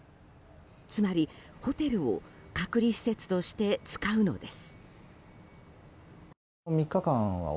つまり、ホテルを隔離施設として使うのです。